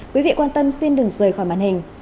quý vị quan tâm xin đừng rời khỏi màn hình